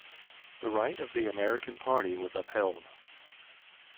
The right of the American party was upheld.